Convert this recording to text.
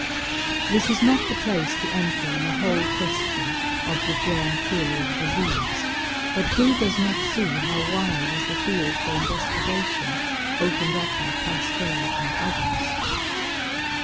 This is not the place to enter on the whole question of the germ theory of disease, but who does not see how wide is the field for investigation opened up by Pasteur and others?